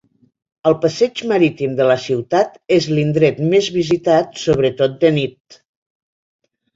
El passeig marítim de la ciutat és l'indret més visitat, sobretot de nit.